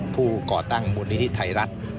ผู้ก่อตั้งมุมนิธิไทยรัฐ